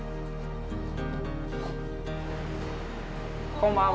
こんばんは。